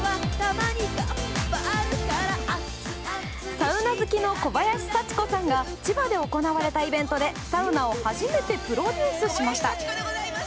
サウナ好きの小林幸子さんが千葉で行われたイベントでサウナを初めてプロデュースしました。